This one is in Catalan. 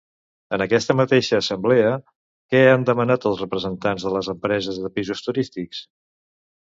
En aquesta mateixa assemblea, què han demanat els representants de les empreses de pisos turístics?